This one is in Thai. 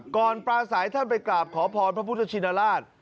ปลาสายท่านไปกราบขอพรพระพุทธชินราช